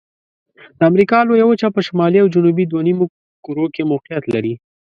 د امریکا لویه وچه په شمالي او جنوبي دوه نیمو کرو کې موقعیت لري.